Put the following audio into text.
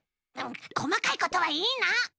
こまかいことはいいの！